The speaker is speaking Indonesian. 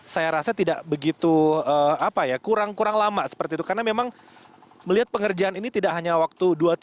saya rasa tidak begitu apa ya kurang kurang lama seperti itu karena memang melihat pengerjaan ini tidak hanya waktu